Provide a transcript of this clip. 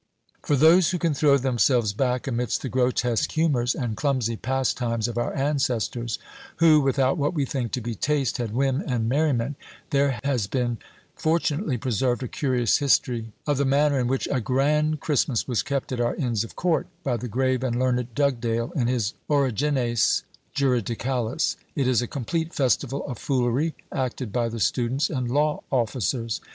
For those who can throw themselves back amidst the grotesque humours and clumsy pastimes of our ancestors, who, without what we think to be taste, had whim and merriment there has been fortunately preserved a curious history of the manner in which "A grand Christmas" was kept at our Inns of Court, by the grave and learned Dugdale, in his "Origines Juridicales:" it is a complete festival of foolery, acted by the students and law officers.